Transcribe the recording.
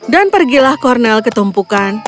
dan pergilah kornel ke tumpukan